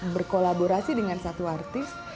berkolaborasi dengan satu artis